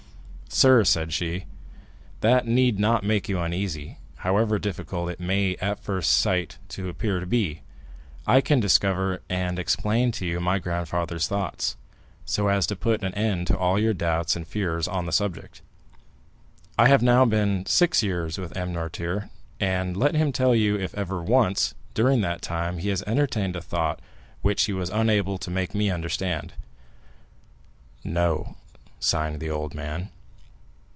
"Sir," said she, "that need not make you uneasy, however difficult it may at first sight appear to be. I can discover and explain to you my grandfather's thoughts, so as to put an end to all your doubts and fears on the subject. I have now been six years with M. Noirtier, and let him tell you if ever once, during that time, he has entertained a thought which he was unable to make me understand." "No," signed the old man.